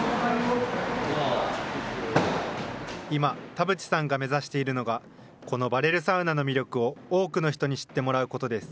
今、田淵さんが目指しているのが、このバレルサウナの魅力を多くの人に知ってもらうことです。